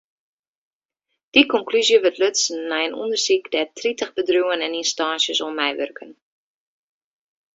Dy konklúzje wurdt lutsen nei in ûndersyk dêr't tritich bedriuwen en ynstânsjes oan meiwurken.